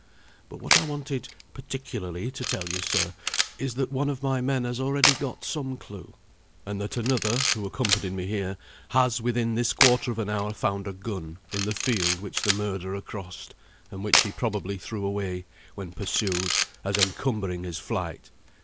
But what I wanted particularly to tell you, sir, is that one of my men has already got some clue, and that another (who accompanied me here) has within this quarter of an hour found a gun in the field which the murderer crossed, and which he probably threw away when pursued, as encumbering his flight.